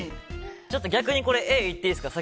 ちょっと逆にＡいっていいですか？